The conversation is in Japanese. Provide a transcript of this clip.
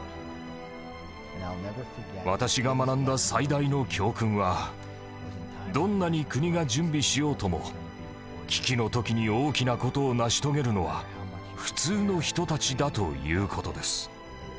私が学んだ最大の教訓はどんなに国が準備しようとも危機の時に大きな事を成し遂げるのは普通の人たちだという事です。